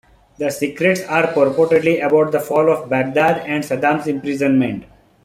The secrets are purportedly about the fall of Baghdad and Saddam's imprisonment.